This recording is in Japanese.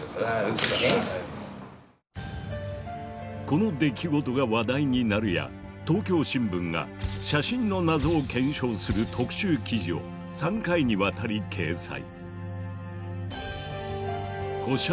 この出来事が話題になるや東京新聞が写真の謎を検証する特集記事を３回にわたり掲載。